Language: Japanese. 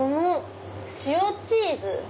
「塩チーズ」？